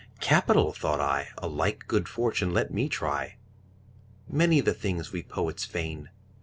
'Capital!' thought I. 'A like good fortune let me try.' Many the things we poets feign.